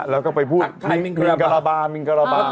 แล้วก็ไปพูดมิงกระบาดมิงกระบาด